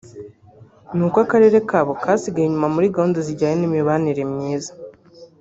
n’uko akarere kabo kasigaye inyuma muri gahunda zijyanye n’imibanire myiza